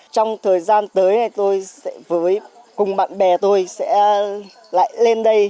trong thời gian tới tôi với cùng bạn bè tôi sẽ lại lên đây